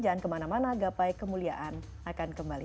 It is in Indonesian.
dan lagapai kemuliaan akan kembali